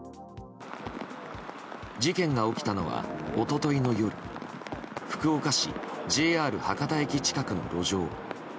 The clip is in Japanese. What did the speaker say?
事件が起きたのは一昨日の夜福岡市ＪＲ博多駅近くの路上。